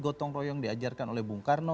gotong royong diajarkan oleh bung karno